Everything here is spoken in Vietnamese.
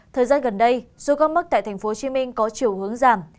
thời gian gần đây số ca mắc tại tp hcm có chiều hướng giảm